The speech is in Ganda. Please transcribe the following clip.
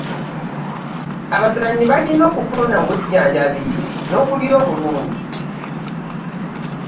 Abazannyi balina okufuna obujjanjabi n'okulya obulungi.